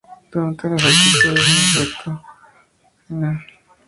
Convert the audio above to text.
Durante las actuaciones en directo Foreman fue reemplazado por Kevin Burdett.